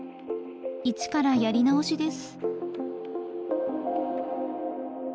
一からやり直しです。